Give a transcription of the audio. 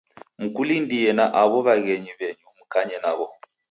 Mkulindie na aw'o w'aghenyi w'enyu mkanye naw'o.